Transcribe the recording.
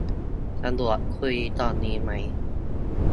สะดวกคุยตอนนี้ไหม